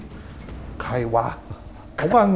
บางคนก็สันนิฐฐานว่าแกโดนคนติดยาน่ะ